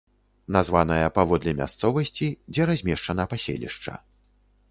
Названая паводле мясцовасці, дзе размешчана паселішча.